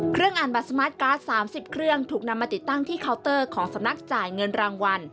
เครื่องอ่านบัตรสมาร์ทการ์ด๓๐เครื่องถูกนำมาติดตั้งที่เคาน์เตอร์ของสำนักจ่ายเงินรางวัล